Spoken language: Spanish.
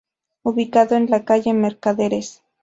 Ubicado en la calle Mercaderes.